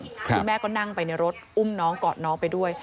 คุณแม่ก็นั่งไปในรถอุ้มน้องกอดน้องไปด้วย